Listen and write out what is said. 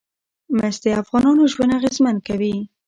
مس د افغانانو ژوند اغېزمن کوي.